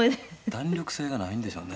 弾力性がないんでしょうね。